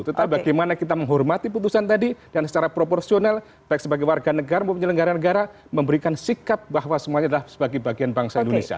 tetapi bagaimana kita menghormati putusan tadi dan secara proporsional baik sebagai warga negara memberikan sikap bahwa semuanya adalah sebagai bagian bangsa indonesia